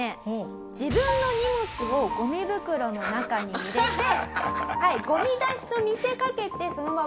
自分の荷物をゴミ袋の中に入れてゴミ出しと見せかけてそのまま逃亡します。